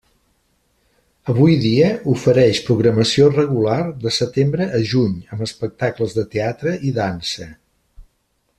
Avui dia ofereix programació regular de setembre a juny amb espectacles de teatre i dansa.